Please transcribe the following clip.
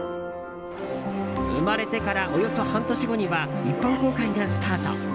生まれてから、およそ半年後には一般公開がスタート。